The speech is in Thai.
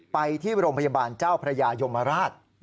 ไปที่โรงพยาบาลเจ้าพระยายมราช